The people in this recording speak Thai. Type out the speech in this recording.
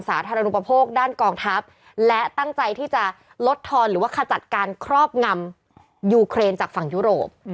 สาธารณูปโภคด้านกองทัพและตั้งใจที่จะลดทอนหรือว่าขจัดการครอบงำยูเครนจากฝั่งยุโรป